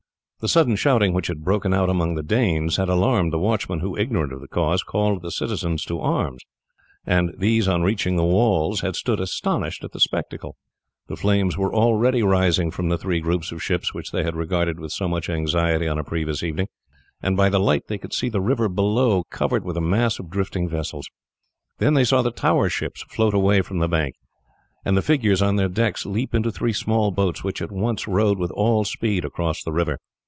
The sudden shouting which had broken out among the Danes had alarmed the watchmen, who, ignorant of the cause, called the citizens to arms, and these on reaching the walls had stood astonished at the spectacle. The flames were already rising from the three groups of ships which they had regarded with so much anxiety on the previous evening, and by the light they could see the river below covered with a mass of drifting vessels. Then they saw the tower ships float away from the bank, and the figures on their decks leap into three small boats, which at once rowed with all speed across the river.